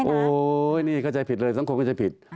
โอ้โหนี่เข้าใจผิดเลยสังคมเข้าใจผิด